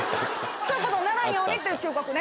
そういう事にならんようにっていう忠告ね。